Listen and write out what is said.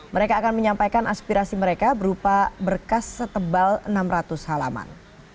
mereka akan menyampaikan aspirasi mereka berupa berkas setebal enam ratus halaman